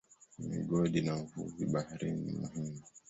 Migodi na uvuvi baharini ni muhimu.